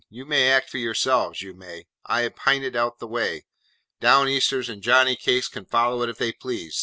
You may act for yourselves, you may. I have pinted out the way. Down Easters and Johnny Cakes can follow if they please.